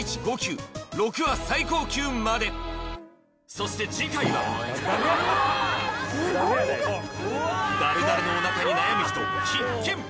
そして次回はダルダルのおなかに悩む人必見！